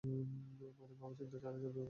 মানে ভাবা-চিন্তা ছাড়াই ঝাঁপিয়ে পড়ব?